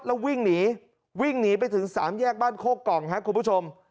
แล้ววิ่งหนีวิ่งหนีไปถึงสามแยกบ้านโคกล่องครับคุณผู้ชม